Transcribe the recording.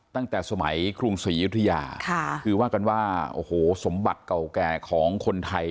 ตั้งแต่สมัยกรุงศรียุธยาค่ะคือว่ากันว่าโอ้โหสมบัติเก่าแก่ของคนไทย